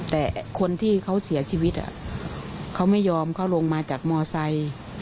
แต่คนที่เขาเสียชีวิตเขาไม่ยอมเขาลงมาจากมอไซค์